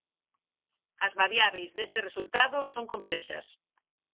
As variábeis deste resultado son complexas.